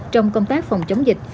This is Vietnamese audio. trong công tác phòng chống dịch